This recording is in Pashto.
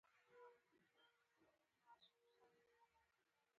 همغلته یې امامت وکړ.